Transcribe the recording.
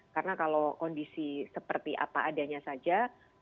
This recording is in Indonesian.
karena kalau kondisi seperti apa adanya saja